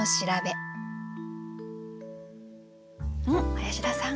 林田さん。